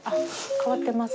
変わってます。